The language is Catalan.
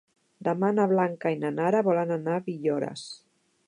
Demà na Blanca i na Nara volen anar a Villores.